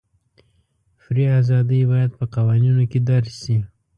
فري ازادۍ باید په قوانینو کې درج شي.